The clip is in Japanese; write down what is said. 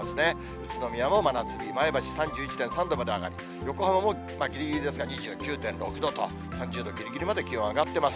宇都宮も真夏日、前橋３１．３度まで上がり、横浜もぎりぎりですが、２９．６度と、３０度ぎりぎりまで気温上がっています。